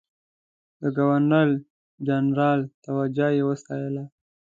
د ګورنرجنرال توجه یې وستایل.